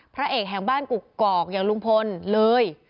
พระเอกแห่งบ้านกกอกอย่างลุงพลเลย